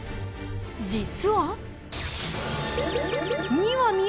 ［実は］